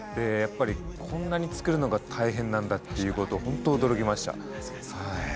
こんなに作るのが大変なんだということを、本当、驚きました。